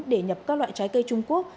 để nhập các loại trái cây trung quốc